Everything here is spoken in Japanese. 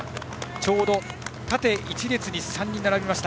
ちょうど縦一列に３人並びました。